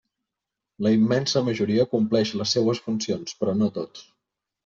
La immensa majoria compleix les seues funcions, però no tots.